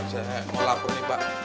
saya mau lapor nih pak